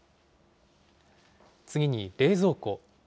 次に冷蔵庫。